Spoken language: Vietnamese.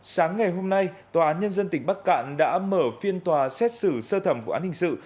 sáng ngày hôm nay tòa án nhân dân tỉnh bắc cạn đã mở phiên tòa xét xử sơ thẩm vụ án hình sự